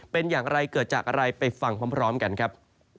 เป็นอย่างไรเกิดจากอะไรไปฟังพร้อมกันครับ